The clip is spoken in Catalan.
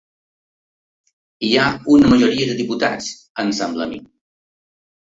Hi ha una majoria de diputats, em sembla a mi.